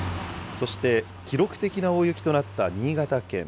そして記録的な大雪となった新潟県。